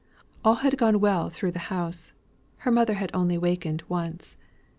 All had gone well through the house; her mother had only wakened once.